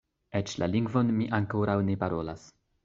Eĉ la lingvon mi ankoraŭ ne parolas.